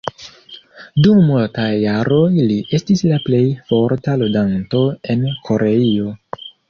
Dum multaj jaroj li estis la plej forta ludanto en Koreio.